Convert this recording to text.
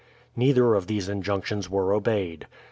Neither of these injunctions were obeyed.